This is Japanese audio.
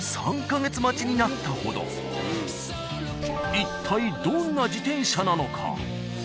一体どんな自転車なのか？